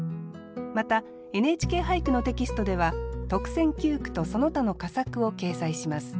また「ＮＨＫ俳句」のテキストでは特選九句とその他の佳作を掲載します。